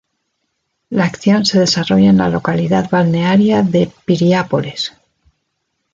La acción se desarrolla en la localidad balnearia de Piriápolis.